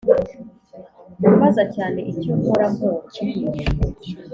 kubaza cyane icyo mpora mporwa